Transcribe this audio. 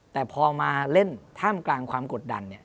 แต่พอมาเล่นท่ามกลางความกดดัน